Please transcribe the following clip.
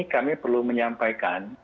kami perlu menyampaikan